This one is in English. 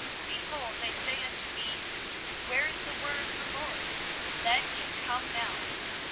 24:017:015 Behold, they say unto me, Where is the word of the LORD? let it come now.